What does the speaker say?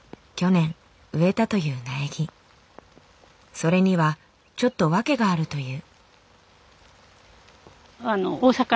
それにはちょっと訳があるという。